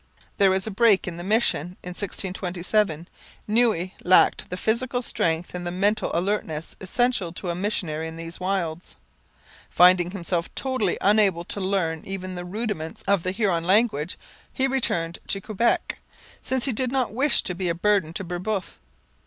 There was a break in the mission in 1627. Noue lacked the physical strength and the mental alertness essential to a missionary in these wilds. Finding himself totally unable to learn even the rudiments of the Huron language, he returned to Quebec, since he did not wish to be a burden to Brebeuf.